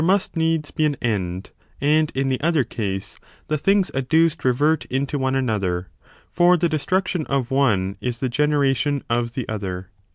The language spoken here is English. ] INFINITE PROGRESSION OP CAUSES, 51 needs be an end, and, in the other case, the things adduced revert into one another, for the destruction of one is the generation of the other.